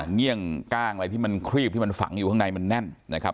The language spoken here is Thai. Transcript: เงี่ยงก้างอะไรที่มันครีบที่มันฝังอยู่ข้างในมันแน่นนะครับ